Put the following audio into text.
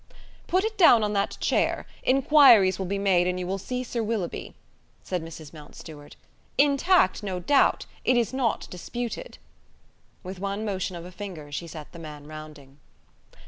"Put it down on that chair; inquiries will be made, and you will see Sir Willoughby," said Mrs. Mountstuart. "Intact, no doubt; it is not disputed." With one motion of a finger she set the man rounding.